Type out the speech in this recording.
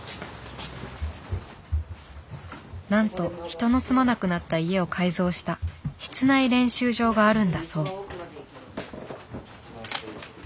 なんと人の住まなくなった家を改造した室内練習場があるんだそう。